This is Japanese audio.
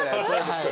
はい。